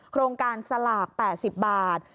โครงการสลาก๘๐บาท